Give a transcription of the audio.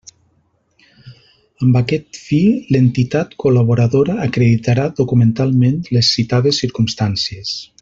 Amb aquest fi, l'entitat col·laboradora acreditarà documentalment les citades circumstàncies.